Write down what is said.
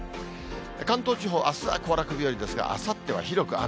関東地方、あすは行楽日和ですが、あさっては広く雨。